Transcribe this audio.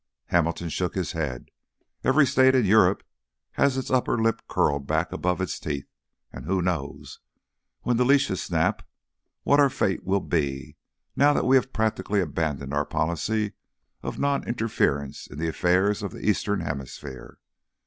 Hamilton shook his head. "Every state in Europe has its upper lip curled back above its teeth, and who knows, when the leashes snap, what our fate will be, now that we have practically abandoned our policy of non interference in the affairs of the Eastern Hemisphere?